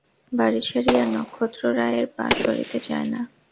বাড়ি ছাড়িয়া নক্ষত্ররায়ের পা সরিতে চায় না।